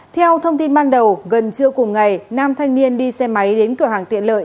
theo thông tin ban đầu gần trưa cùng ngày nam thanh niên đi xe máy đến cửa hàng tiện lợi